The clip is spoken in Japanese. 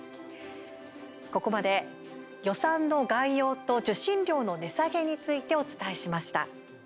ここまで予算の概要と受信料の値下げについてお伝えしました。